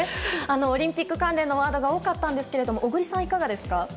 オリンピック関連のワードが多かったんですが小栗さん、いかがですか。